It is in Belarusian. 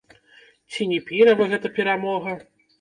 Ці не пірава гэта перамога?